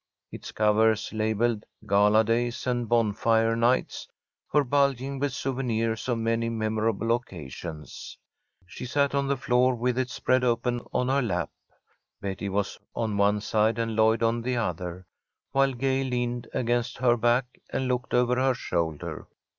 Its covers, labelled "Gala Days and Bonfire Nights," were bulging with souvenirs of many memorable occasions. She sat on the floor with it spread open on her lap. Betty was on one side and Lloyd on the other, while Gay leaned against her back and looked over her shoulder.